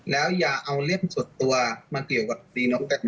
แล้วอย่าเอาเล่มส่วนตัวมาเกี่ยวกับตีน้องแตงโม